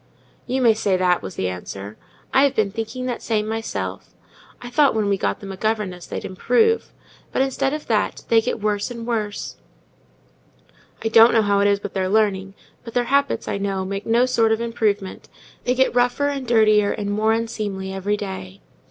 "You may say that," was the answer. "I've been thinking that same myself. I thought when we got them a governess they'd improve; but, instead of that, they get worse and worse: I don't know how it is with their learning, but their habits, I know, make no sort of improvement; they get rougher, and dirtier, and more unseemly every day."